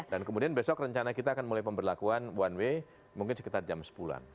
dan kemudian besok rencana kita akan mulai pemberlakuan satu w mungkin sekitar jam sepuluh an